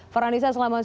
farhanisa selamat datang